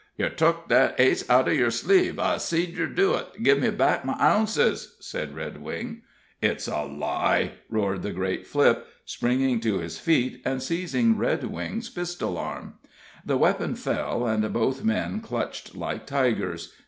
"Yer tuk that ace out of yer sleeve I seed yer do it. Give me back my ounces," said Redwing. "It's a lie!" roared the great Flipp, springing to his feet, and seizing Redwing's pistol arm. The weapon fell, and both men clutched like tigers.